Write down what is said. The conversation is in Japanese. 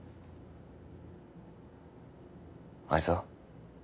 あいつは？